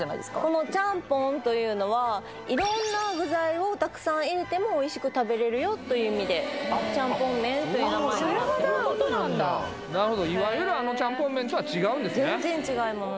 このチャンポンというのは色んな具材をたくさん入れてもおいしく食べれるよという意味でチャンポンめんという名前にそういうことなんだなるほどいわゆるあのちゃんぽん麺とは違うんですね全然違います